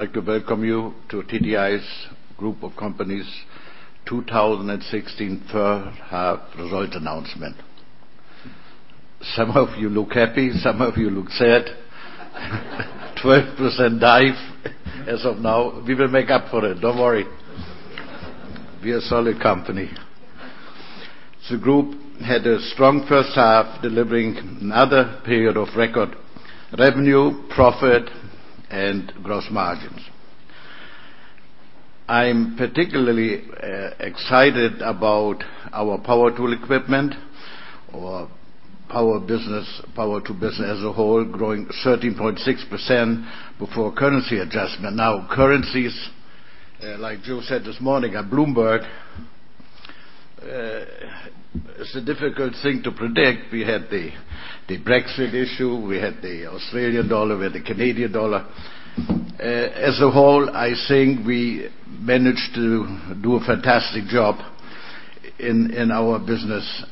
I'd like to welcome you to TTI's group of companies 2016 first half results announcement. Some of you look happy, some of you look sad. 12% dive as of now. We will make up for it. Don't worry. We are a solid company. The group had a strong first half, delivering another period of record revenue, profit, and gross margins. I'm particularly excited about our power tool equipment, our power business, power tool business as a whole, growing 13.6% before currency adjustment. Currencies, like Joe said this morning at Bloomberg, it's a difficult thing to predict. We had the Brexit issue, we had the Australian dollar, we had the Canadian dollar. I think we managed to do a fantastic job in our business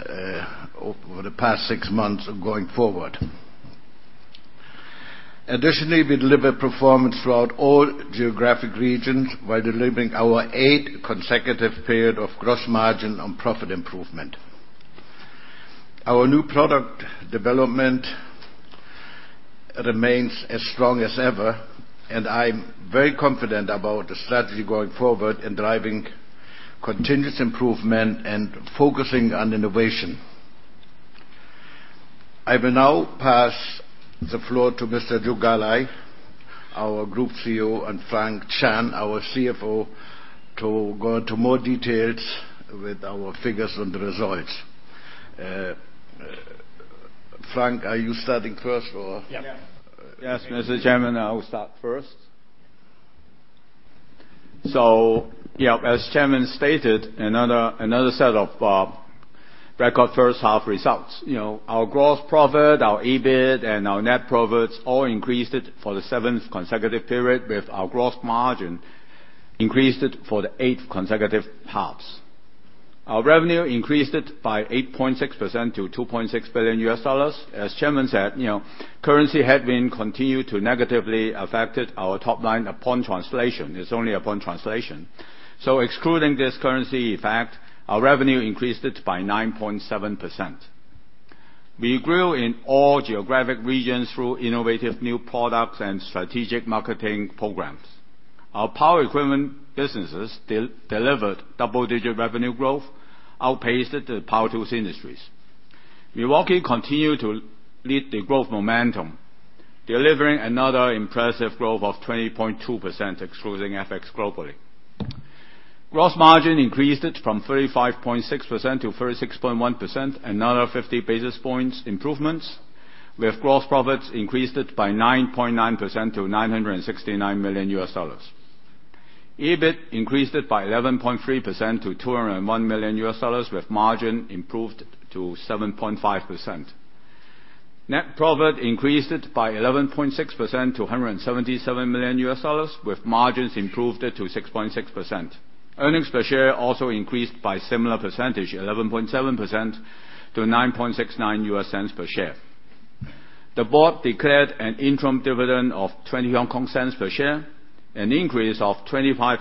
over the past six months and going forward. We delivered performance throughout all geographic regions while delivering our eighth consecutive period of gross margin on profit improvement. Our new product development remains as strong as ever, and I'm very confident about the strategy going forward in driving continuous improvement and focusing on innovation. I will now pass the floor to Mr. Joe Galli, our group CEO, and Frank Chan, our CFO, to go into more details with our figures and results. Frank, are you starting first or? Yeah. Yes, Mr. Chairman, I will start first. As Chairman stated, another set of record first half results. Our gross profit, our EBIT, and our net profits all increased for the seventh consecutive period, with our gross margin increased for the eighth consecutive halves. Our revenue increased by 8.6% to $2.6 billion. As Chairman said, currency had continued to negatively affected our top line upon translation. It's only upon translation. Excluding this currency effect, our revenue increased by 9.7%. We grew in all geographic regions through innovative new products and strategic marketing programs. Our power equipment businesses delivered double-digit revenue growth, outpaced the power tools industry. Milwaukee continued to lead the growth momentum, delivering another impressive growth of 20.2%, excluding FX globally. Gross margin increased from 35.6% to 36.1%, another 50 basis points improvement, with gross profits increased by 9.9% to $969 million. EBIT increased by 11.3% to $201 million, with margin improved to 7.5%. Net profit increased by 11.6% to $177 million, with margins improved to 6.6%. Earnings per share also increased by similar percentage, 11.7% to $0.0969 per share. The board declared an interim dividend of 0.20 per share, an increase of 25%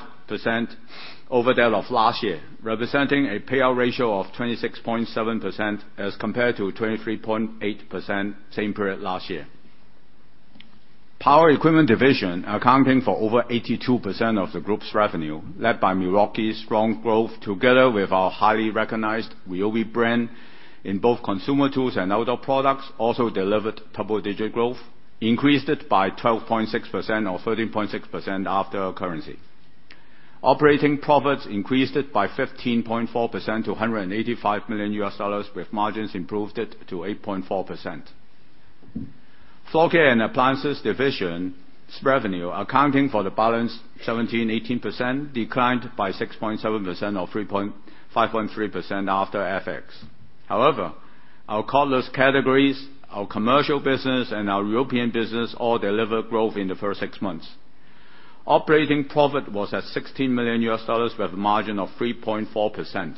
over that of last year, representing a payout ratio of 26.7% as compared to 23.8% same period last year. Power equipment division accounting for over 82% of the group's revenue, led by Milwaukee's strong growth, together with our highly recognized RYOBI brand in both consumer tools and outdoor products, also delivered double-digit growth, increased by 12.6% or 13.6% after currency. Operating profits increased by 15.4% to $185 million, with margins improved to 8.4%. Floor care and appliances division's revenue accounting for the balance 17%-18%, declined by 6.7% or 5.3% after FX. Our cordless categories, our commercial business, and our European business all delivered growth in the first six months. Operating profit was at $16 million, with a margin of 3.4%.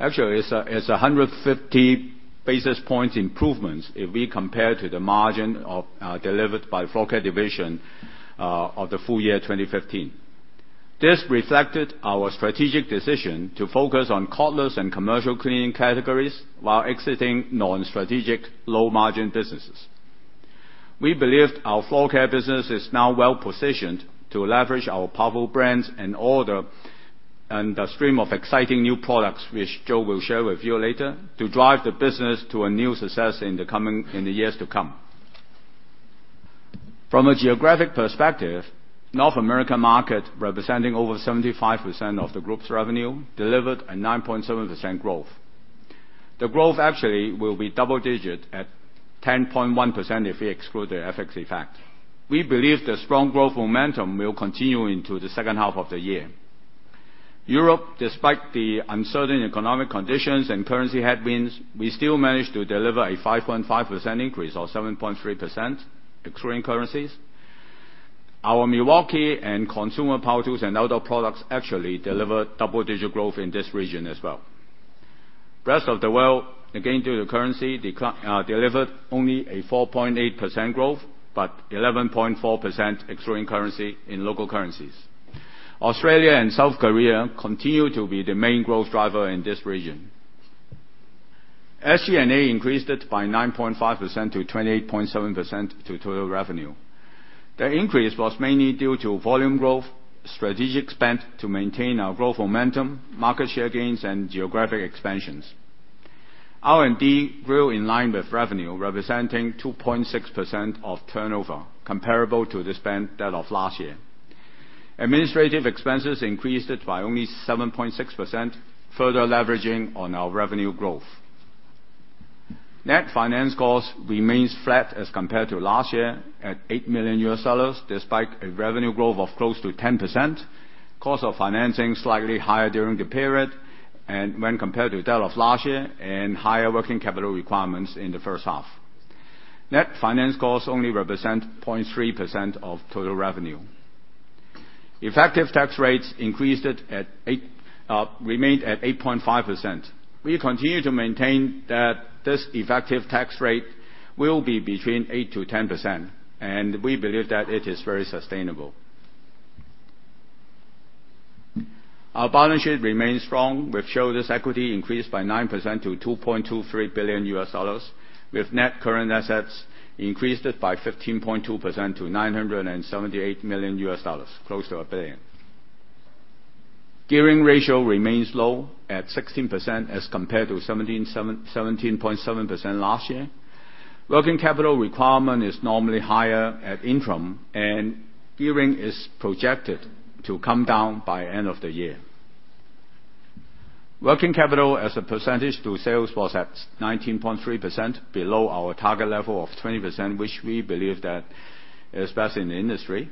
Actually, it's 150 basis points improvements if we compare to the margin delivered by floor care division of the full year 2015. This reflected our strategic decision to focus on cordless and commercial cleaning categories while exiting non-strategic low-margin businesses. We believe our floor care business is now well positioned to leverage our powerful brands and ORECK, and the stream of exciting new products, which Joe will share with you later, to drive the business to a new success in the years to come. From a geographic perspective, North America market, representing over 75% of the group's revenue, delivered a 9.7% growth. The growth actually will be double digit at 10.1% if we exclude the FX effect. Europe, despite the uncertain economic conditions and currency headwinds, we still managed to deliver a 5.5% increase or 7.3% excluding currencies. Our Milwaukee and consumer power tools and outdoor products actually delivered double-digit growth in this region as well. Rest of the world, again, due to currency decline, delivered only a 4.8% growth, but 11.4% excluding currency in local currencies. Australia and South Korea continue to be the main growth driver in this region. SG&A increased it by 9.5% to 28.7% to total revenue. The increase was mainly due to volume growth, strategic spend to maintain our growth momentum, market share gains, and geographic expansions. R&D grew in line with revenue, representing 2.6% of turnover, comparable to the spend that of last year. Administrative expenses increased it by only 7.6%, further leveraging on our revenue growth. Net finance cost remains flat as compared to last year at $8 million, despite a revenue growth of close to 10%, cost of financing slightly higher during the period, and when compared to that of last year, and higher working capital requirements in the first half. Net finance costs only represent 0.3% of total revenue. Effective tax rates remained at 8.5%. We continue to maintain that this effective tax rate will be between 8%-10%, and we believe that it is very sustainable. Our balance sheet remains strong. We've showed this equity increased by 9% to $2.23 billion with net current assets increased by 15.2% to $978 million, close to a billion. Gearing ratio remains low at 16% as compared to 17.7% last year. Working capital requirement is normally higher at interim, and gearing is projected to come down by end of the year. Working capital as a percentage to sales was at 19.3% below our target level of 20%, which we believe that is best in the industry.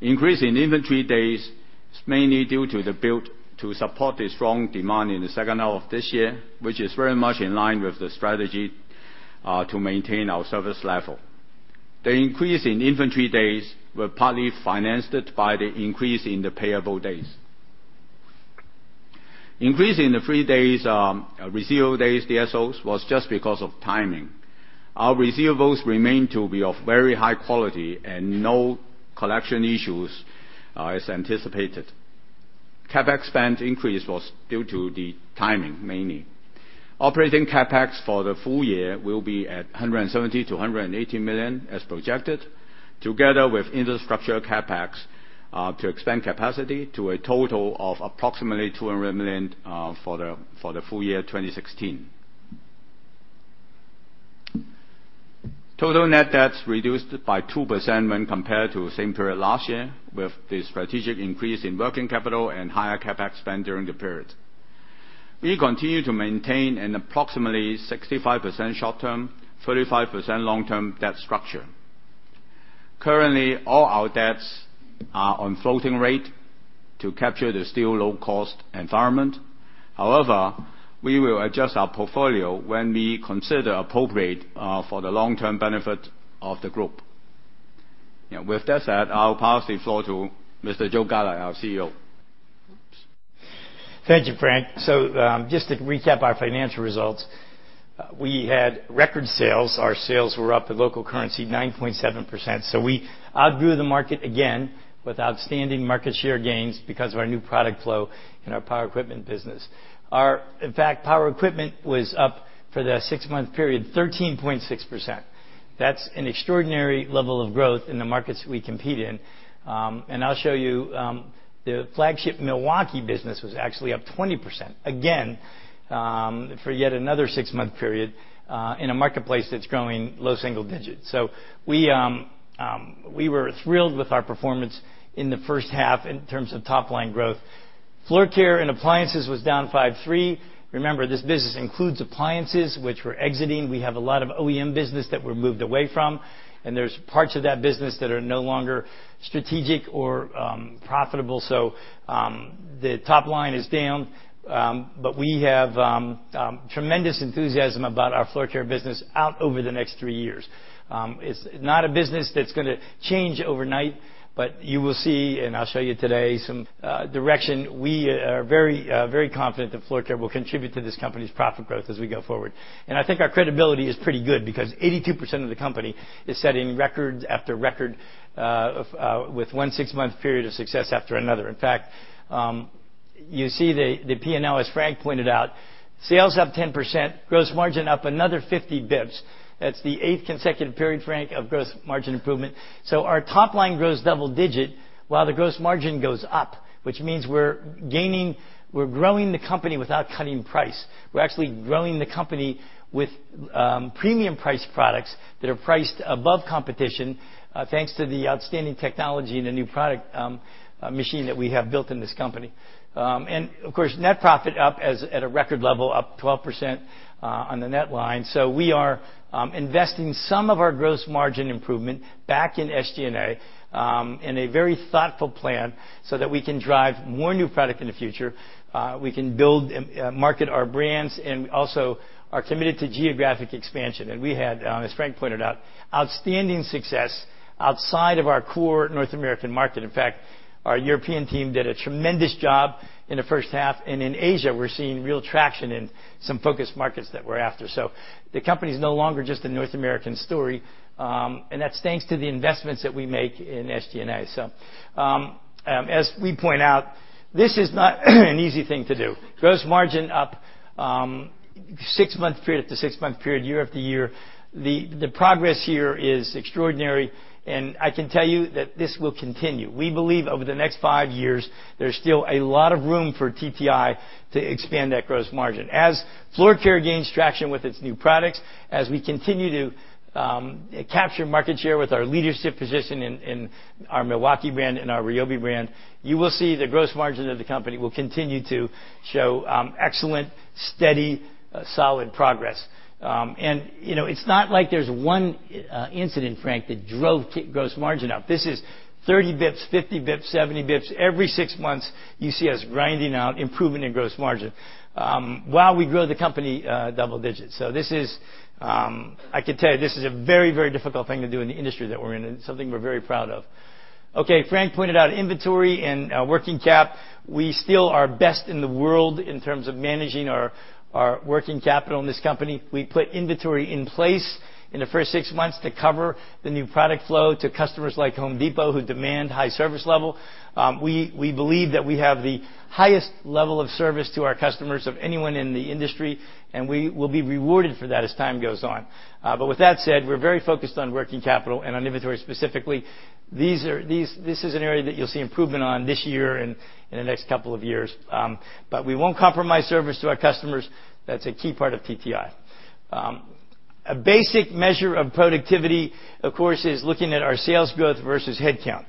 Increase in inventory days is mainly due to the build to support the strong demand in the second half of this year, which is very much in line with the strategy to maintain our service level. The increase in inventory days were partly financed by the increase in the payable days. Increase in the receivable days, DSOs, was just because of timing. Our receivables remain to be of very high quality and no collection issues as anticipated. CapEx spend increase was due to the timing mainly. Operating CapEx for the full year will be at $170 million-$180 million as projected, together with infrastructure CapEx, to expand capacity to a total of approximately $200 million for the full year 2016. Total net debts reduced by 2% when compared to same period last year, with the strategic increase in working capital and higher CapEx spend during the period. We continue to maintain an approximately 65% short-term, 35% long-term debt structure. Currently, all our debts are on floating rate to capture the still low-cost environment. However, we will adjust our portfolio when we consider appropriate for the long-term benefit of the group. With that said, I'll pass the floor to Mr. Joe Galli, our CEO. Thank you, Frank. Just to recap our financial results, we had record sales. Our sales were up at local currency 9.7%. We outgrew the market again with outstanding market share gains because of our new product flow in our power equipment business. In fact, power equipment was up for the six-month period, 13.6%. That's an extraordinary level of growth in the markets we compete in. I'll show you the flagship Milwaukee business was actually up 20%, again, for yet another six-month period, in a marketplace that's growing low single digits. We were thrilled with our performance in the first half in terms of top-line growth. Floor care and appliances was down 5.3%. Remember, this business includes appliances which we're exiting. We have a lot of OEM business that we moved away from, and there's parts of that business that are no longer strategic or profitable. The top line is down, but we have tremendous enthusiasm about our Floor care business out over the next three years. It's not a business that's going to change overnight, but you will see, and I'll show you today some direction. We are very confident that Floor care will contribute to this company's profit growth as we go forward. I think our credibility is pretty good because 82% of the company is setting record after record with one six-month period of success after another. In fact, you see the P&L, as Frank pointed out, sales up 10%, gross margin up another 50 bps. That's the eighth consecutive period, Frank, of gross margin improvement. Our top line grows double digit while the gross margin goes up, which means we're growing the company without cutting price. We're actually growing the company with premium price products that are priced above competition, thanks to the outstanding technology and the new product machine that we have built in this company. Of course, net profit up at a record level, up 12% on the net line. We are investing some of our gross margin improvement back in SG&A in a very thoughtful plan so that we can drive more new product in the future. We can build and market our brands, and also are committed to geographic expansion. We had, as Frank pointed out, outstanding success outside of our core North American market. In fact, our European team did a tremendous job in the first half, in Asia we're seeing real traction in some focus markets that we're after. The company is no longer just a North American story, and that's thanks to the investments that we make in SG&A. As we point out, this is not an easy thing to do. Gross margin up six-month period to six-month period, year after year. The progress here is extraordinary, and I can tell you that this will continue. We believe over the next five years. There's still a lot of room for TTI to expand that gross margin. As Floor Care gains traction with its new products, as we continue to capture market share with our leadership position in our Milwaukee and our RYOBI, you will see the gross margin of the company will continue to show excellent, steady, solid progress. It's not like there's one incident, Frank, that drove gross margin up. This is 30 basis points, 50 basis points, 70 basis points. Every six months, you see us grinding out improvement in gross margin while we grow the company double digits. I can tell you, this is a very difficult thing to do in the industry that we're in, and something we're very proud of. Frank pointed out inventory and working capital. We still are best in the world in terms of managing our working capital in this company. We put inventory in place in the first six months to cover the new product flow to customers like Home Depot, who demand high service level. We believe that we have the highest level of service to our customers of anyone in the industry, and we will be rewarded for that as time goes on. With that said, we're very focused on working capital and on inventory specifically. This is an area that you'll see improvement on this year and in the next couple of years. We won't compromise service to our customers. That's a key part of TTI. A basic measure of productivity, of course, is looking at our sales growth versus headcount.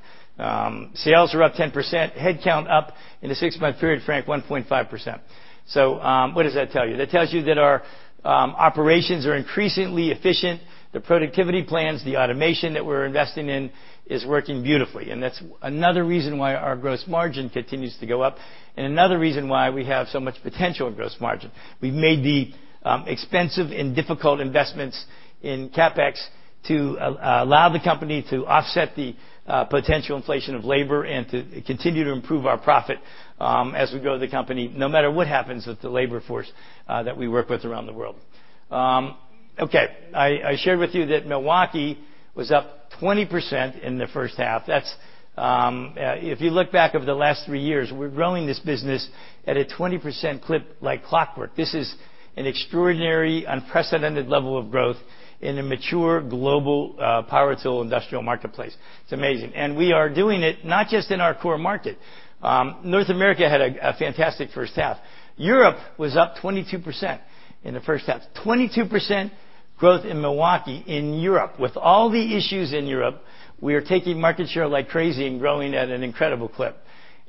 Sales are up 10%, headcount up in the six-month period, Frank, 1.5%. What does that tell you? That tells you that our operations are increasingly efficient. The productivity plans, the automation that we're investing in is working beautifully. That's another reason why our gross margin continues to go up and another reason why we have so much potential in gross margin. We've made the expensive and difficult investments in CapEx to allow the company to offset the potential inflation of labor and to continue to improve our profit as we grow the company, no matter what happens with the labor force that we work with around the world. I shared with you that Milwaukee was up 20% in the first half. If you look back over the last three years, we're growing this business at a 20% clip like clockwork. This is an extraordinary, unprecedented level of growth in a mature global power tool industrial marketplace. It's amazing. We are doing it not just in our core market. North America had a fantastic first half. Europe was up 22% in the first half. 22% growth in Milwaukee in Europe. With all the issues in Europe, we are taking market share like crazy and growing at an incredible clip.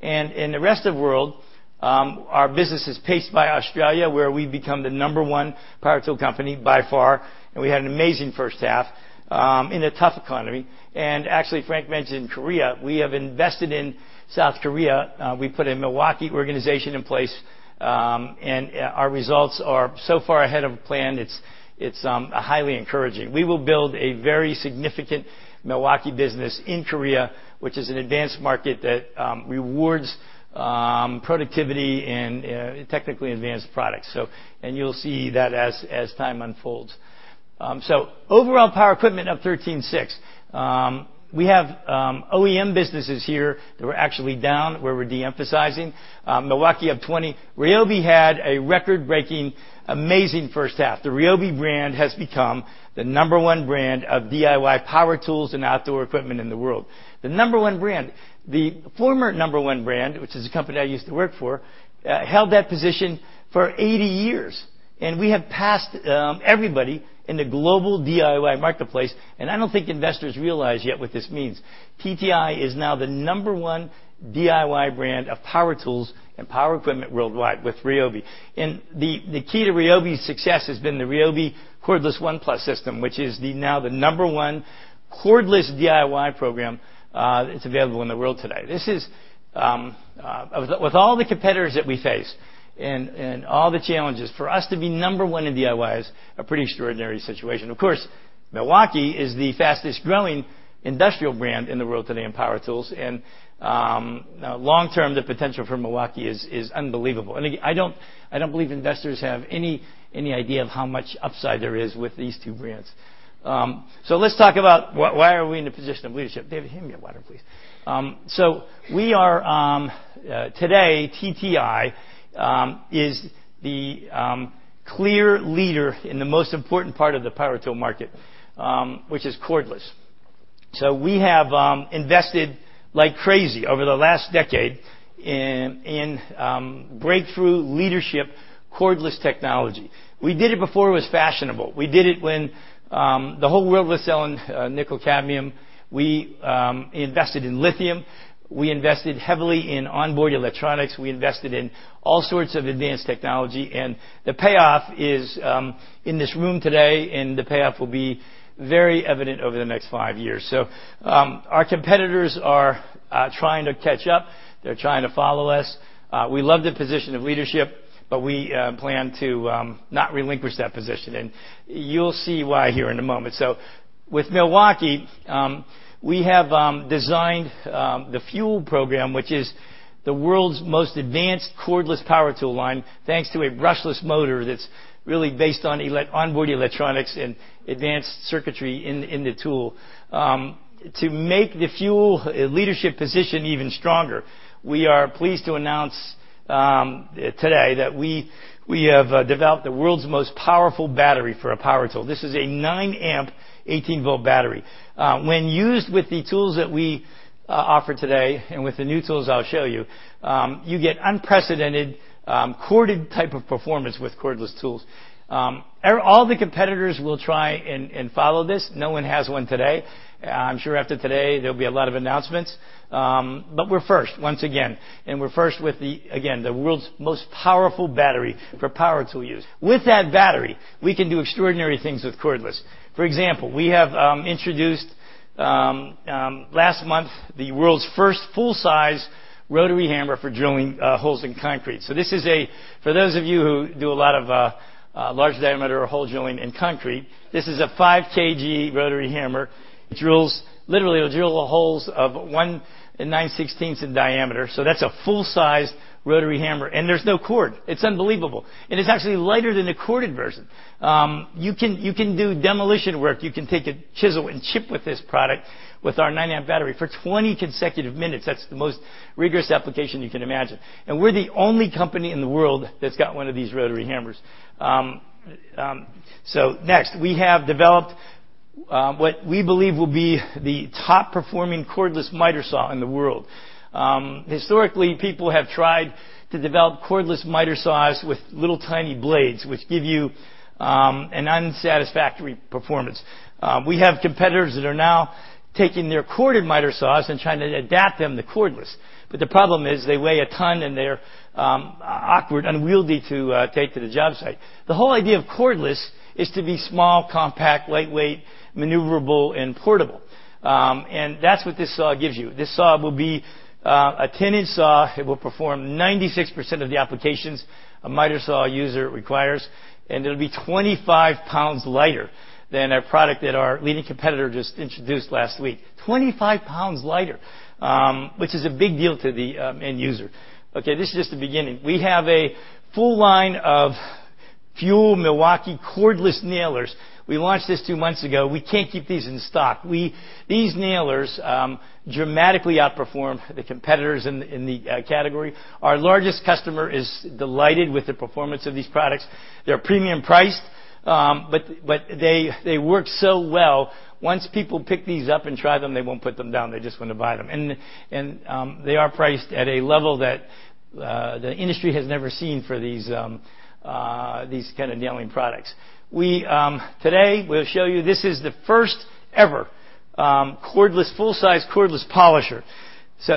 In the rest of world, our business is paced by Australia, where we've become the number one power tool company by far, and we had an amazing first half in a tough economy. Actually, Frank mentioned Korea. We have invested in South Korea. We put a Milwaukee organization in place, and our results are so far ahead of plan, it's highly encouraging. We will build a very significant Milwaukee business in Korea, which is an advanced market that rewards productivity and technically advanced products. You'll see that as time unfolds. Overall power equipment up 13.6%. We have OEM businesses here that were actually down where we're de-emphasizing. Milwaukee up 20%. RYOBI had a record-breaking amazing first half. The RYOBI brand has become the number one brand of DIY power tools and outdoor equipment in the world. The number one brand. I don't think investors realize yet what this means. The former number one brand, which is a company I used to work for, held that position for 80 years. We have passed everybody in the global DIY marketplace, and I don't think investors realize yet what this means. TTI is now the number one DIY brand of power tools and power equipment worldwide with RYOBI. The key to RYOBI's success has been the RYOBI cordless ONE+ system, which is now the number one cordless DIY program that's available in the world today. With all the competitors that we face and all the challenges, for us to be number one in DIY is a pretty extraordinary situation. Of course, Milwaukee is the fastest-growing industrial brand in the world today in power tools. Long term, the potential for Milwaukee is unbelievable. I don't believe investors have any idea of how much upside there is with these two brands. Let's talk about why are we in a position of leadership. David, hand me a water, please. Today, TTI is the clear leader in the most important part of the power tool market, which is cordless. We have invested like crazy over the last decade in breakthrough leadership cordless technology. We did it before it was fashionable. We did it when the whole world was selling nickel cadmium. We invested in lithium. We invested heavily in onboard electronics. We invested in all sorts of advanced technology, and the payoff is in this room today. The payoff will be very evident over the next five years. Our competitors are trying to catch up. They're trying to follow us. We love the position of leadership, but we plan to not relinquish that position, and you'll see why here in a moment. With Milwaukee, we have designed the FUEL program, which is the world's most advanced cordless power tool line, thanks to a brushless motor that's really based on onboard electronics and advanced circuitry in the tool. To make the FUEL leadership position even stronger, we are pleased to announce today that we have developed the world's most powerful battery for a power tool. This is a nine amp 18-volt battery. When used with the tools that we offer today and with the new tools I'll show you get unprecedented corded type of performance with cordless tools. All the competitors will try and follow this. No one has one today. I'm sure after today, there'll be a lot of announcements. We're first, once again, and we're first with, again, the world's most powerful battery for power tool use. With that battery, we can do extraordinary things with cordless. For example, we have introduced last month the world's first full-size rotary hammer for drilling holes in concrete. For those of you who do a lot of large diameter hole drilling in concrete, this is a 5 kg rotary hammer. Literally, it'll drill holes of 1 9/16 in diameter. That's a full-size rotary hammer, and there's no cord. It's unbelievable. It's actually lighter than a corded version. You can do demolition work. You can take a chisel and chip with this product. With our 9 amp battery for 20 consecutive minutes. That's the most rigorous application you can imagine, and we're the only company in the world that's got one of these rotary hammers. Next, we have developed what we believe will be the top-performing cordless miter saw in the world. Historically, people have tried to develop cordless miter saws with little tiny blades, which give you an unsatisfactory performance. We have competitors that are now taking their corded miter saws and trying to adapt them to cordless. The problem is they weigh a ton, and they're awkward, unwieldy to take to the job site. The whole idea of cordless is to be small, compact, lightweight, maneuverable and portable. That's what this saw gives you. This saw will be a 10-inch saw. It will perform 96% of the applications a miter saw user requires, and it'll be 25 pounds lighter than a product that our leading competitor just introduced last week. 25 pounds lighter, which is a big deal to the end user. This is just the beginning. We have a full line of FUEL Milwaukee cordless nailers. We launched this two months ago. We can't keep these in stock. These nailers dramatically outperform the competitors in the category. Our largest customer is delighted with the performance of these products. They're premium priced, but they work so well. Once people pick these up and try them, they won't put them down. They're just going to buy them. They are priced at a level that the industry has never seen for these kind of nailing products. Today, we'll show you this is the first ever full-size cordless polisher.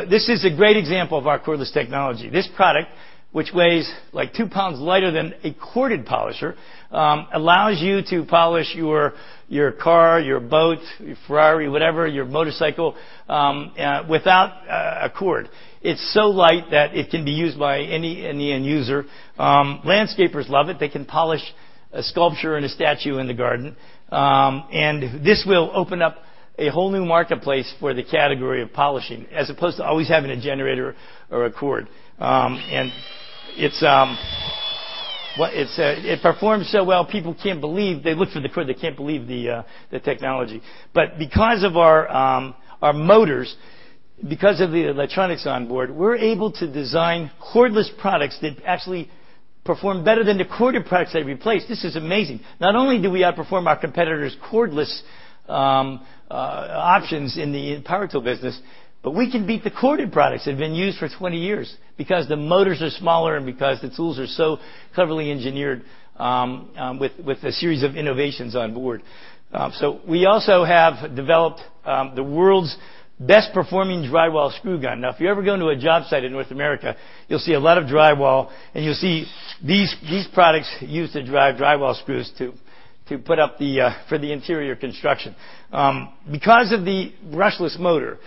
This is a great example of our cordless technology. This product, which weighs two pounds lighter than a corded polisher, allows you to polish your car, your boat, your Ferrari, whatever, your motorcycle, without a cord. It's so light that it can be used by any end user. Landscapers love it. They can polish a sculpture and a statue in the garden. This will open up a whole new marketplace for the category of polishing, as opposed to always having a generator or a cord. It performs so well, people can't believe. They look for the cord. They can't believe the technology. Because of our motors, because of the electronics on board, we're able to design cordless products that actually perform better than the corded products they replace. This is amazing. Not only do we outperform our competitors' cordless options in the power tool business, but we can beat the corded products that have been used for 20 years because the motors are smaller and because the tools are so cleverly engineered with a series of innovations on board. We also have developed the world's best-performing drywall screw gun. If you ever go into a job site in North America, you'll see a lot of drywall, and you'll see these products used to drive drywall screws to put up for the interior construction. Because of the brushless motor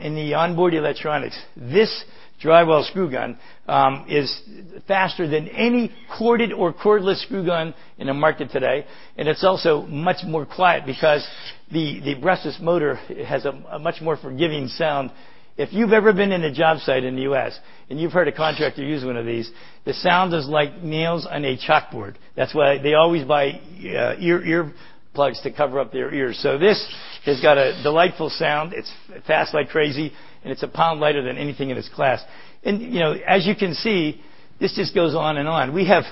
in the onboard electronics, this drywall screw gun is faster than any corded or cordless screw gun in the market today. It's also much more quiet because the brushless motor has a much more forgiving sound. If you've ever been in a job site in the U.S. and you've heard a contractor use one of these, the sound is like nails on a chalkboard. That's why they always buy earplugs to cover up their ears. This has got a delightful sound. It's fast like crazy, and it's a pound lighter than anything in its class. As you can see, this just goes on and on. We have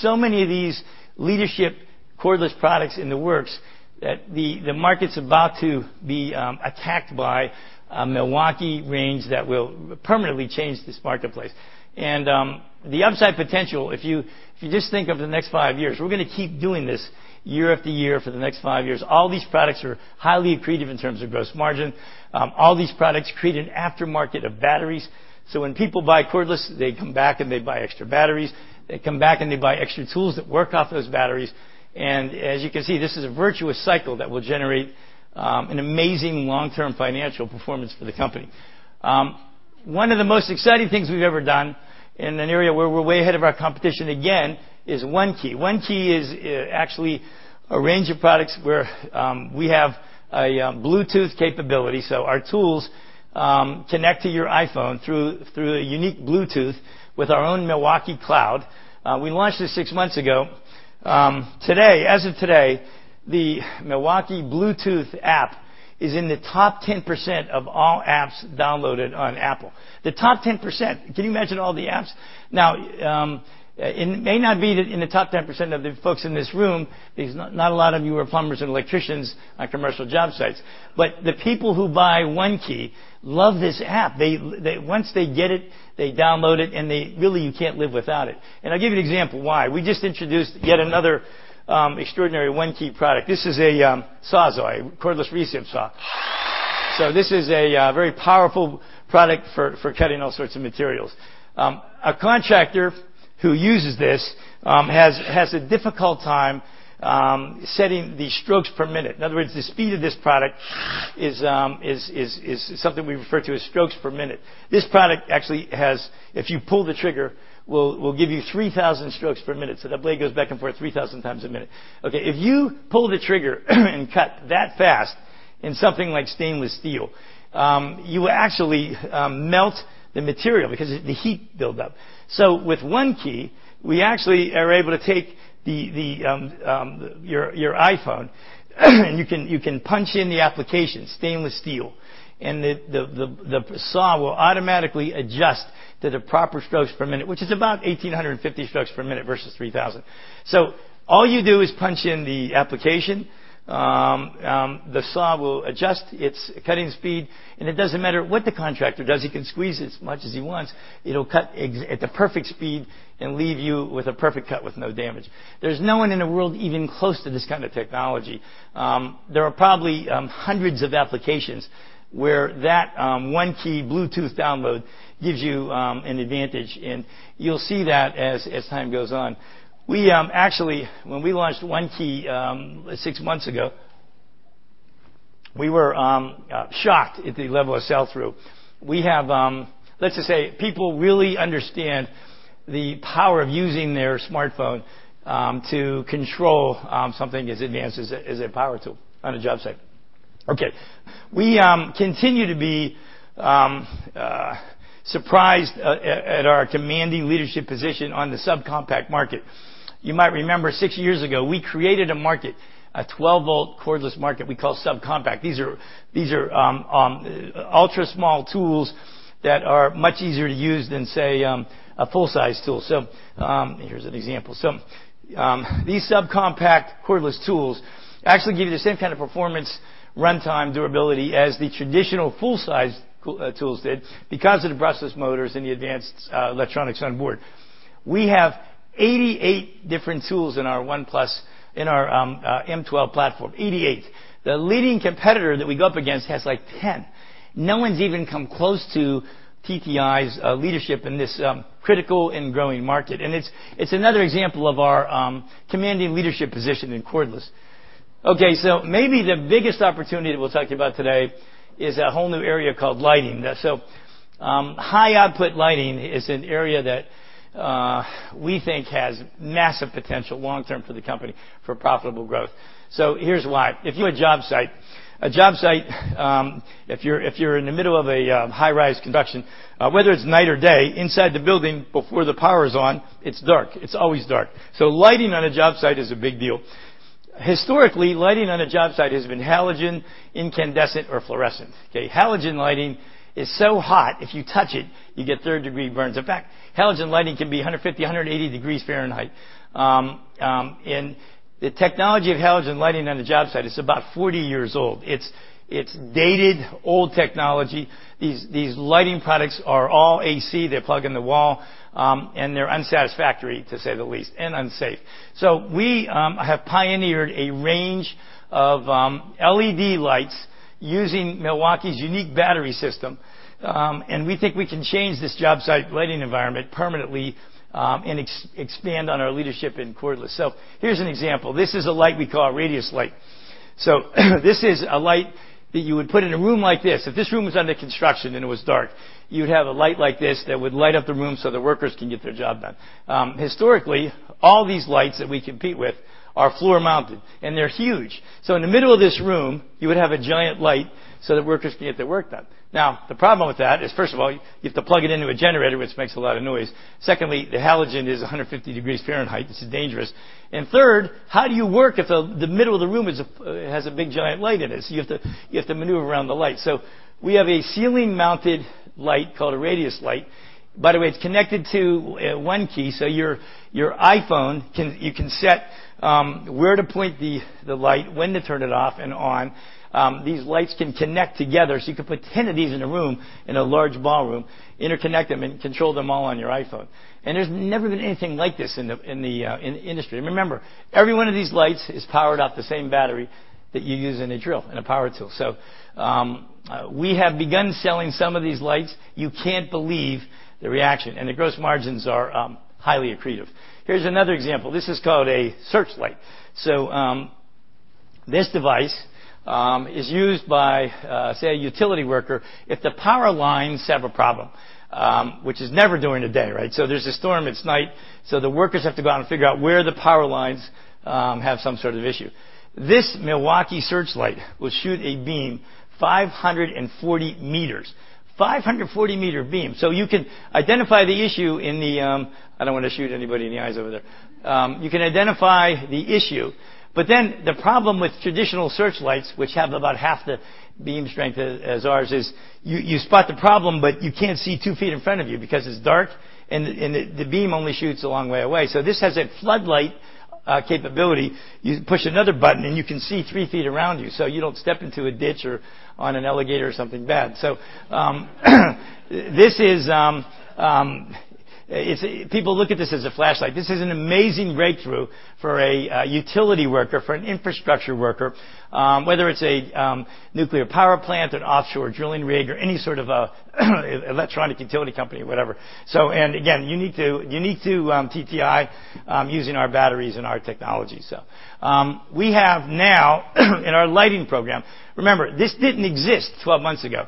so many of these leadership cordless products in the works that the market's about to be attacked by a Milwaukee range that will permanently change this marketplace. The upside potential, if you just think of the next five years, we're going to keep doing this year after year for the next five years. All these products are highly accretive in terms of gross margin. All these products create an aftermarket of batteries. When people buy cordless, they come back, and they buy extra batteries. They come back, and they buy extra tools that work off those batteries. As you can see, this is a virtuous cycle that will generate an amazing long-term financial performance for the company. One of the most exciting things we've ever done in an area where we're way ahead of our competition again is ONE-KEY. ONE-KEY is actually a range of products where we have a Bluetooth capability. Our tools connect to your iPhone through a unique Bluetooth with our own Milwaukee cloud. We launched this six months ago. As of today, the Milwaukee Bluetooth app is in the top 10% of all apps downloaded on Apple. The top 10%. Can you imagine all the apps? It may not be in the top 10% of the folks in this room because not a lot of you are plumbers and electricians on commercial job sites. The people who buy ONE-KEY love this app. Once they get it, they download it, and really, you can't live without it. I'll give you an example why. We just introduced yet another extraordinary ONE-KEY product. This is a Sawzall, a cordless recip saw. This is a very powerful product for cutting all sorts of materials. A contractor who uses this has a difficult time setting the strokes per minute. In other words, the speed of this product is something we refer to as strokes per minute. This product actually has, if you pull the trigger, will give you 3,000 strokes per minute, so that blade goes back and forth 3,000 times a minute. If you pull the trigger and cut that fast in something like stainless steel, you will actually melt the material because of the heat buildup. With ONE-KEY, we actually are able to take your iPhone, and you can punch in the application, stainless steel, and the saw will automatically adjust to the proper strokes per minute, which is about 1,850 strokes per minute versus 3,000. All you do is punch in the application. The saw will adjust its cutting speed, and it doesn't matter what the contractor does. He can squeeze as much as he wants. It will cut at the perfect speed and leave you with a perfect cut with no damage. There is no one in the world even close to this kind of technology. There are probably hundreds of applications where that ONE-KEY Bluetooth download gives you an advantage, and you will see that as time goes on. Actually, when we launched ONE-KEY six months ago, we were shocked at the level of sell-through. Let's just say people really understand the power of using their smartphone to control something as advanced as a power tool on a job site. Okay. We continue to be surprised at our commanding leadership position on the subcompact market. You might remember, six years ago, we created a market, a 12-volt cordless market we call subcompact. These are ultra-small tools that are much easier to use than, say, a full-size tool. Here's an example. These subcompact cordless tools actually give you the same kind of performance, runtime, durability as the traditional full-size tools did because of the brushless motors and the advanced electronics on board. We have 88 different tools in our M12 platform. 88. The leading competitor that we go up against has 10. No one's even come close to TTI's leadership in this critical and growing market, and it's another example of our commanding leadership position in cordless. Okay, maybe the biggest opportunity that we will talk about today is a whole new area called lighting. High output lighting is an area that we think has massive potential long term for the company for profitable growth. Here's why. If you're a job site, if you're in the middle of a high-rise construction, whether it's night or day, inside the building before the power is on, it's dark. It's always dark. Lighting on a job site is a big deal. Historically, lighting on a job site has been halogen, incandescent, or fluorescent. Okay? Halogen lighting is so hot, if you touch it, you get third-degree burns. In fact, halogen lighting can be 150, 180 degrees Fahrenheit. And the technology of halogen lighting on a job site is about 40 years old. It's dated, old technology. These lighting products are all AC. They plug in the wall, and they're unsatisfactory, to say the least, and unsafe. We have pioneered a range of LED lights using Milwaukee's unique battery system, and we think we can change this job site lighting environment permanently and expand on our leadership in cordless. Here's an example. This is a light we call a RADIUS light. This is a light that you would put in a room like this. If this room was under construction and it was dark, you'd have a light like this that would light up the room so the workers can get their job done. Historically, all these lights that we compete with are floor-mounted, and they're huge. In the middle of this room, you would have a giant light so that workers can get their work done. The problem with that is, first of all, you have to plug it into a generator, which makes a lot of noise. Secondly, the halogen is 150 degrees Fahrenheit. This is dangerous. And third, how do you work if the middle of the room has a big giant light in it? You have to maneuver around the light. We have a ceiling-mounted light called a RADIUS light. By the way, it is connected to ONE-KEY. Your iPhone, you can set where to point the light, when to turn it off and on. These lights can connect together. You can put 10 of these in a room, in a large ballroom, interconnect them, and control them all on your iPhone. There has never been anything like this in the industry. Remember, every one of these lights is powered off the same battery that you use in a drill, in a power tool. We have begun selling some of these lights. You cannot believe the reaction. The gross margins are highly accretive. Here is another example. This is called a searchlight. This device is used by, say, a utility worker if the power lines have a problem, which is never during the day, right? There is a storm, it is night. The workers have to go out and figure out where the power lines have some sort of issue. This Milwaukee searchlight will shoot a beam 540 meters. 540-meter beam. You can identify the issue in the I do not want to shoot anybody in the eyes over there. You can identify the issue. The problem with traditional searchlights, which have about half the beam strength as ours is, you spot the problem, but you cannot see 2 feet in front of you because it is dark and the beam only shoots a long way away. This has a floodlight capability. You push another button. You can see 3 feet around you. You do not step into a ditch or on an alligator or something bad. If people look at this as a flashlight, this is an amazing breakthrough for a utility worker, for an infrastructure worker, whether it is a nuclear power plant, an offshore drilling rig, or any sort of electronic utility company or whatever. You need to TTI using our batteries and our technology. We have now in our lighting program, remember, this did not exist 12 months ago.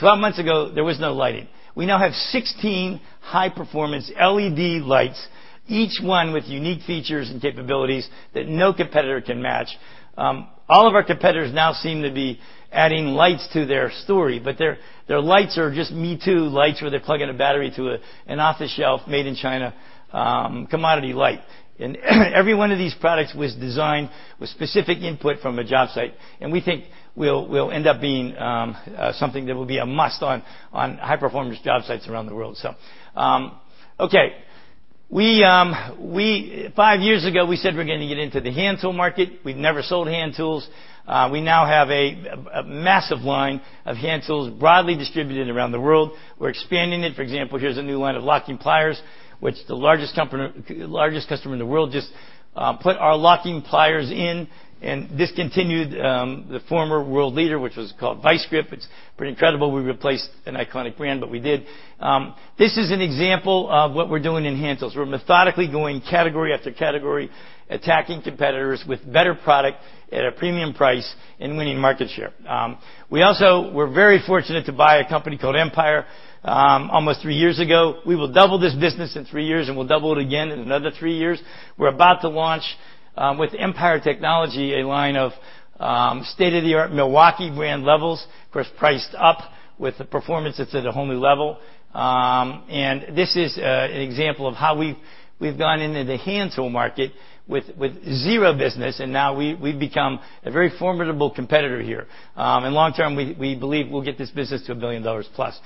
12 months ago, there was no lighting. We now have 16 high-performance LED lights, each one with unique features and capabilities that no competitor can match. All of our competitors now seem to be adding lights to their story. Their lights are just me-too lights where they are plugging a battery to an off-the-shelf made-in-China commodity light. Every one of these products was designed with specific input from a job site. We think will end up being something that will be a must on high-performance job sites around the world. Okay. 5 years ago, we said we are going to get into the hand tool market. We had never sold hand tools. We now have a massive line of hand tools broadly distributed around the world. We are expanding it. For example, here is a new line of locking pliers, which the largest customer in the world just put our locking pliers in and discontinued the former world leader, which was called VISE-GRIP. It is pretty incredible we replaced an iconic brand. We did. This is an example of what we're doing in hand tools. We're methodically going category after category, attacking competitors with better product at a premium price and winning market share. We also were very fortunate to buy a company called Empire almost three years ago. We will double this business in three years, and we'll double it again in another three years. We're about to launch with Empire Technology, a line of state-of-the-art Milwaukee brand levels, of course, priced up with the performance that's at a whole new level. This is an example of how we've gone into the hand tool market with zero business, and now we've become a very formidable competitor here. Long term, we believe we'll get this business to $1 billion plus.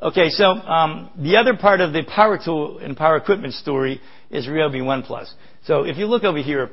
The other part of the power tool and power equipment story is RYOBI ONE+. If you look over here,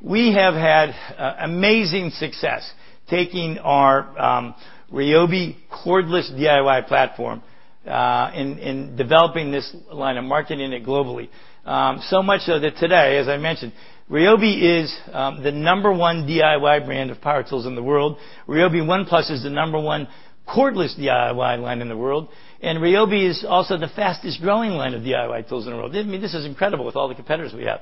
we have had amazing success taking our RYOBI cordless DIY platform and developing this line and marketing it globally. Much so that today, as I mentioned, RYOBI is the number one DIY brand of power tools in the world. RYOBI ONE+ is the number one cordless DIY line in the world, and RYOBI is also the fastest-growing line of DIY tools in the world. This is incredible with all the competitors we have.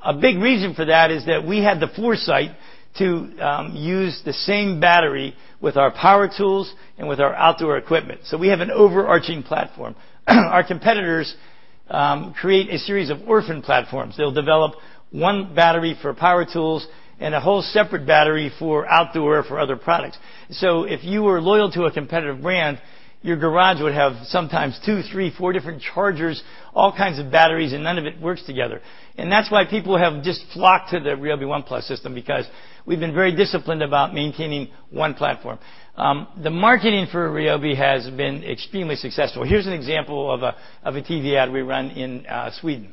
A big reason for that is that we had the foresight to use the same battery with our power tools and with our outdoor equipment. We have an overarching platform. Our competitors create a series of orphan platforms. They'll develop one battery for power tools and a whole separate battery for outdoor or for other products. If you were loyal to a competitive brand, your garage would have sometimes two, three, four different chargers, all kinds of batteries, and none of it works together. That's why people have just flocked to the RYOBI ONE+ system because we've been very disciplined about maintaining one platform. The marketing for RYOBI has been extremely successful. Here's an example of a TV ad we ran in Sweden.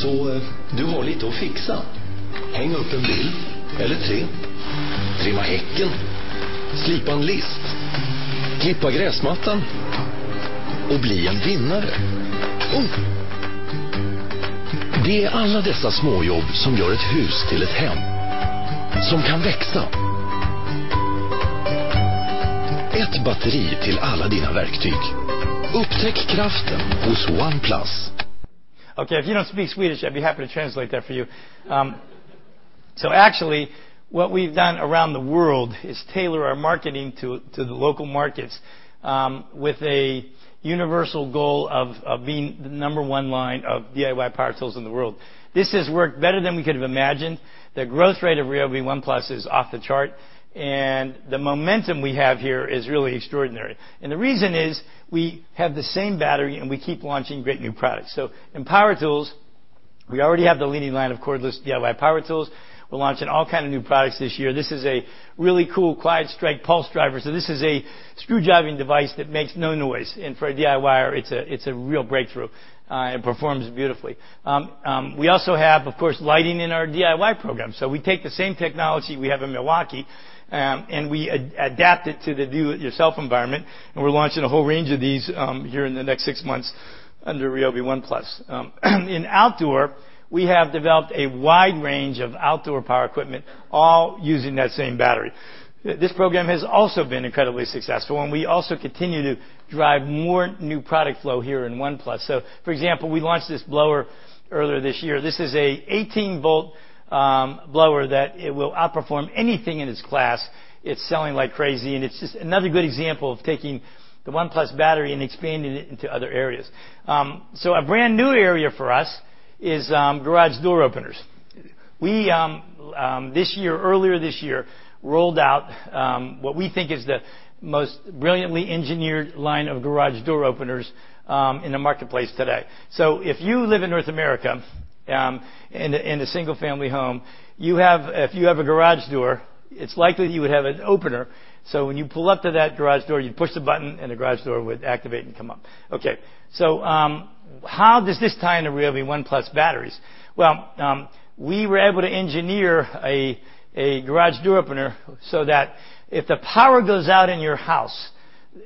You have a little to fix. Hang up a picture or three. Trim the hedge. Sand a molding. Mow the lawn. Be a winner. Oh. It's all these little jobs that make a house a home that can grow. One battery for all your tools. Discover the power of ONE+. Okay. If you don't speak Swedish, I'd be happy to translate that for you. Actually, what we've done around the world is tailor our marketing to the local markets with a universal goal of being the number one line of DIY power tools in the world. This has worked better than we could have imagined. The growth rate of RYOBI ONE+ is off the chart, the momentum we have here is really extraordinary. The reason is we have the same battery, we keep launching great new products. In power tools, we already have the leading line of cordless DIY power tools. We're launching all kind of new products this year. This is a really cool QUIETSTRIKE pulse driver. This is a screw driving device that makes no noise. For a DIYer, it's a real breakthrough, it performs beautifully. We also have, of course, lighting in our DIY program. We take the same technology we have in Milwaukee, we adapt it to the do-it-yourself environment, we're launching a whole range of these here in the next 6 months under RYOBI ONE+. In outdoor, we have developed a wide range of outdoor power equipment, all using that same battery. This program has also been incredibly successful, we also continue to drive more new product flow here in ONE+. For example, we launched this blower earlier this year. This is an 18-volt blower that it will outperform anything in its class. It's selling like crazy, it's just another good example of taking the ONE+ battery and expanding it into other areas. A brand-new area for us is garage door openers. We this year, earlier this year, rolled out what we think is the most brilliantly engineered line of garage door openers in the marketplace today. If you live in North America in a single-family home, if you have a garage door, it's likely that you would have an opener, when you pull up to that garage door, you'd push the button, the garage door would activate and come up. Okay. How does this tie into RYOBI ONE+ batteries? Well, we were able to engineer a garage door opener so that if the power goes out in your house,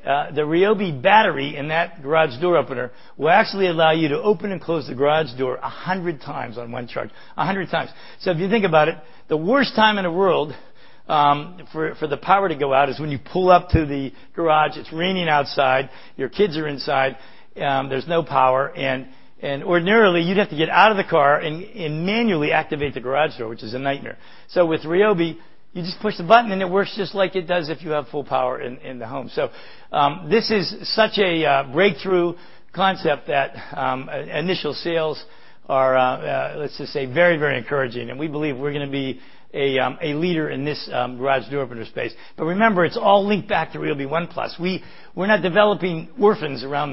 the RYOBI battery in that garage door opener will actually allow you to open and close the garage door 100 times on one charge. 100 times. If you think about it, the worst time in the world for the power to go out is when you pull up to the garage, it's raining outside, your kids are inside, there's no power, ordinarily, you'd have to get out of the car and manually activate the garage door, which is a nightmare. With RYOBI, you just push the button, it works just like it does if you have full power in the home. This is such a breakthrough concept that initial sales are, let's just say, very encouraging. We believe we're going to be a leader in this garage door opener space. Remember, it's all linked back to RYOBI ONE+. We're not developing orphans around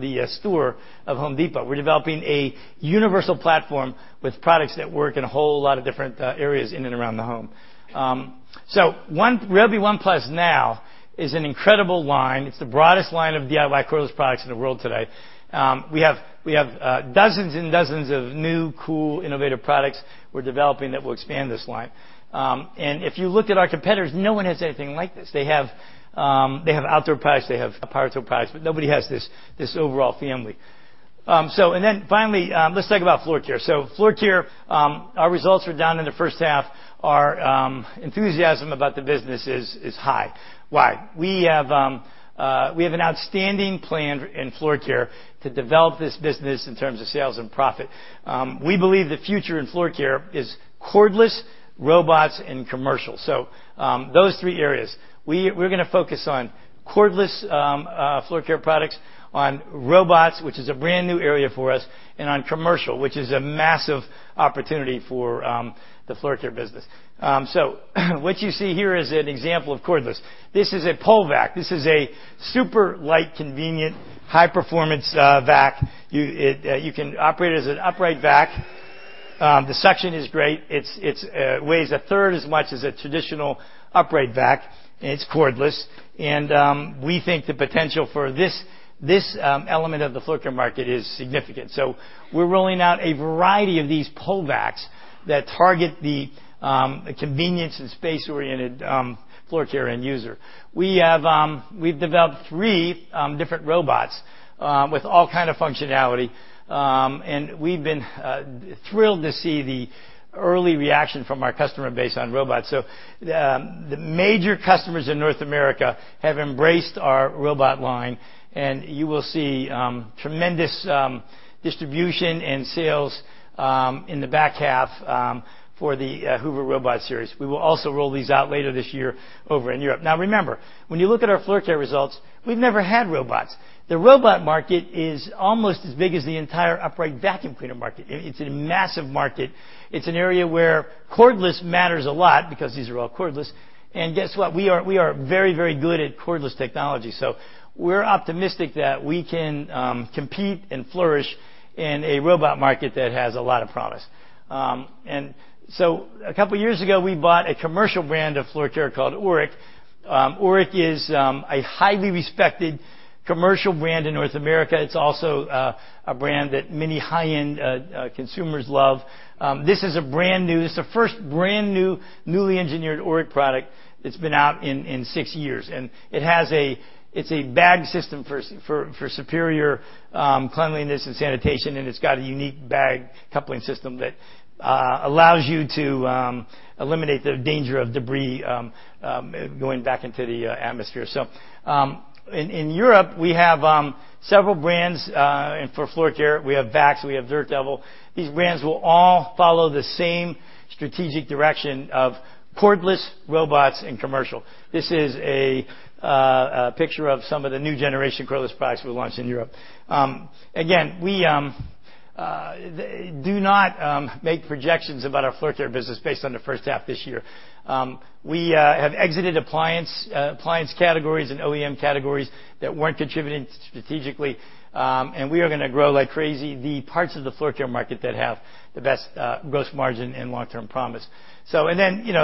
the store of Home Depot. We're developing a universal platform with products that work in a whole lot of different areas in and around the home. RYOBI ONE+ now is an incredible line. It's the broadest line of DIY cordless products in the world today. We have dozens and dozens of new, cool, innovative products we're developing that will expand this line. If you looked at our competitors, no one has anything like this. They have outdoor products, but nobody has this overall family. Finally, let's talk about floor care. Floor care, our results are down in the first half. Our enthusiasm about the business is high. Why? We have an outstanding plan in floor care to develop this business in terms of sales and profit. We believe the future in floor care is cordless, robots, and commercial. Those three areas. We're going to focus on cordless floor care products, on robots, which is a brand-new area for us, and on commercial, which is a massive opportunity for the floor care business. What you see here is an example of cordless. This is a pole vac. This is a super light, convenient, high-performance vac. You can operate it as an upright vac. The suction is great. It weighs a third as much as a traditional upright vac. It's cordless. We think the potential for this element of the floor care market is significant. We're rolling out a variety of these pole vacs that target the convenience and space-oriented floor care end user. We've developed three different robots with all kind of functionality. We've been thrilled to see the early reaction from our customer base on robots. The major customers in North America have embraced our robot line, you will see tremendous distribution and sales in the back half for the Hoover robot series. We will also roll these out later this year over in Europe. Remember, when you look at our floor care results, we've never had robots. The robot market is almost as big as the entire upright vacuum cleaner market. It's a massive market. It's an area where cordless matters a lot because these are all cordless. Guess what? We are very good at cordless technology. We're optimistic that we can compete and flourish in a robot market that has a lot of promise. A couple of years ago, we bought a commercial brand of floor care called Oreck. Oreck is a highly respected commercial brand in North America. It's also a brand that many high-end consumers love. This is a first brand-new, newly engineered Oreck product that's been out in six years. It's a bag system for superior cleanliness and sanitation, it's got a unique bag coupling system that allows you to eliminate the danger of debris going back into the atmosphere. In Europe, we have several brands for floor care. We have VAX, we have DIRT DEVIL. These brands will all follow the same strategic direction of cordless robots and commercial. This is a picture of some of the new generation cordless products we launched in Europe. We do not make projections about our floor care business based on the first half this year. We have exited appliance categories and OEM categories that weren't contributing strategically, we are going to grow like crazy the parts of the floor care market that have the best gross margin and long-term promise. The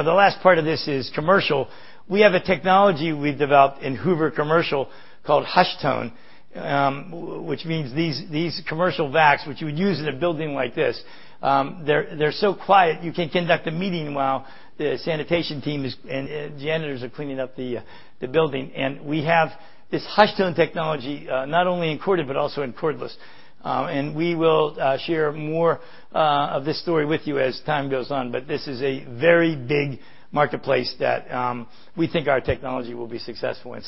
last part of this is commercial. We have a technology we've developed in Hoover Commercial called HushTone, which means these commercial vacs, which you would use in a building like this, they're so quiet you can conduct a meeting while the sanitation team and janitors are cleaning up the building. We have this HushTone technology not only in corded but also in cordless. We will share more of this story with you as time goes on. This is a very big marketplace that we think our technology will be successful in.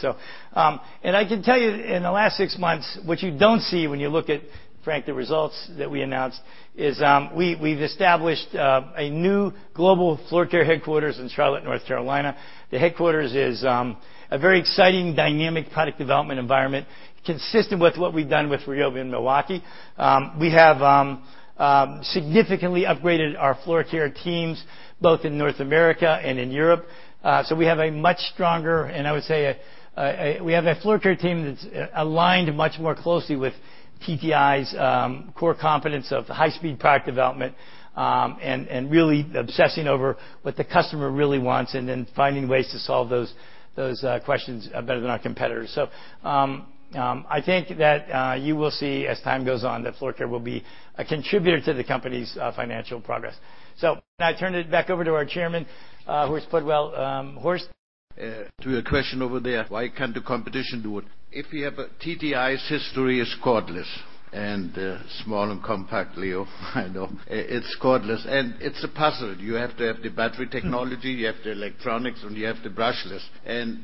I can tell you in the last six months, what you don't see when you look at, frankly, results that we announced is we've established a new global floor care headquarters in Charlotte, North Carolina. The headquarters is a very exciting, dynamic product development environment consistent with what we've done with RYOBI in Milwaukee. We have significantly upgraded our floor care teams, both in North America and in Europe. We have a much stronger, and I would say we have a floor care team that's aligned much more closely with TTI's core competence of high-speed product development and really obsessing over what the customer really wants and then finding ways to solve those questions better than our competitors. I think that you will see as time goes on, that floor care will be a contributor to the company's financial progress. Now I turn it back over to our Chairman, Horst Pudwill. Horst? To your question over there, why can't the competition do it? TTI's history is cordless, and small and compact, Leo. I know. It's cordless, and it's a puzzle. You have to have the battery technology, you have the electronics, and you have the brushless.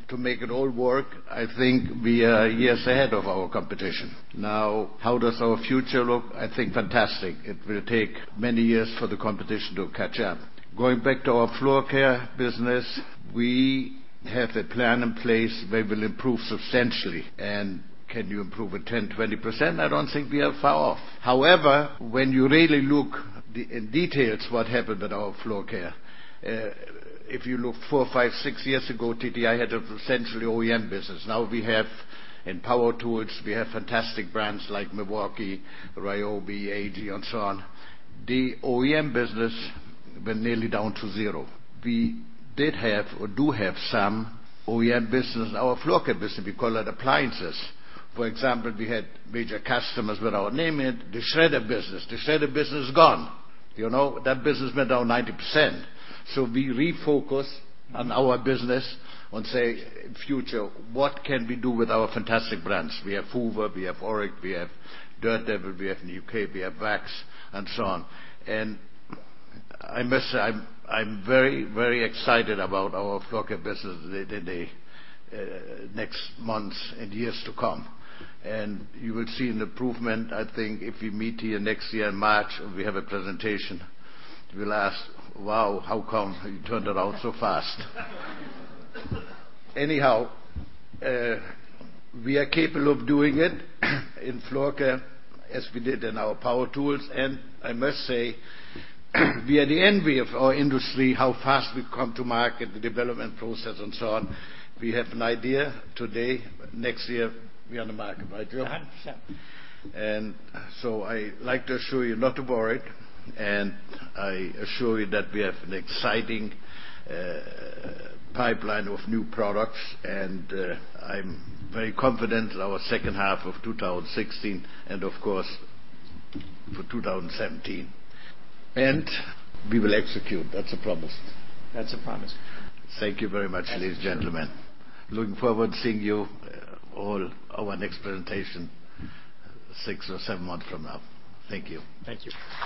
To make it all work, I think we are years ahead of our competition. Now, how does our future look? I think fantastic. It will take many years for the competition to catch up. Going back to our floor care business, we have a plan in place where we'll improve substantially. Can you improve it 10%-20%? I don't think we are far off. However, when you really look in details what happened with our floor care, if you look four, five, six years ago, TTI had essentially an OEM business. We have, in power tools, we have fantastic brands like Milwaukee, RYOBI, AEG and so on. The OEM business went nearly down to zero. We did have or do have some OEM business. Our floor care business, we call it appliances. For example, we had major customers with our name in it. The shredder business. The shredder business is gone. That business went down 90%. We refocused on our business and say, future, what can we do with our fantastic brands? We have HOOVER, we have ORECK, we have DIRT DEVIL, we have in the U.K., we have VAX, and so on. I must say, I'm very excited about our floor care business in the next months and years to come. You will see an improvement, I think, if we meet here next year in March, and we have a presentation. You will ask: "Wow, how come you turned it around so fast?" We are capable of doing it in floor care as we did in our power tools, and I must say, we are the envy of our industry, how fast we've come to market, the development process and so on. We have an idea today. Next year, we are on the market, right, Leo? Sure. I like to assure you not to worry, and I assure you that we have an exciting pipeline of new products. I'm very confident in our second half of 2016, and of course, for 2017. We will execute. That's a promise. That's a promise. Thank you very much, ladies and gentlemen. Looking forward to seeing you all at our next presentation six or seven months from now. Thank you. Thank you.